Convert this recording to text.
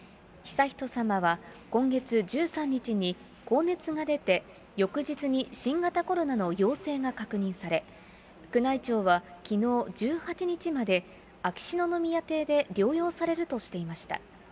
悠仁さまは今月１３日に高熱が出て、翌日に新型コロナの陽性が確認され、宮内庁はきのう１８日まで、秋篠宮邸で療養されるとしていました。